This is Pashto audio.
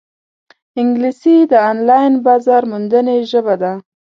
انګلیسي د آنلاین بازارموندنې ژبه ده